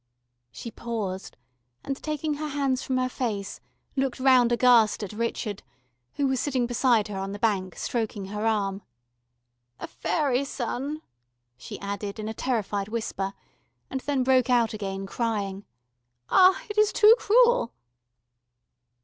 She paused, and, taking her hands from her face, looked round aghast at Richard, who was sitting beside her on the bank, stroking her arm. "A faery son ..." she added in a terrified whisper, and then broke out again crying: "Ah, it is too cruel...."